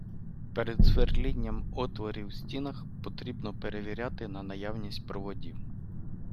Перед свердлінням отворів в стінах потрібно перевіряти на наявність проводів.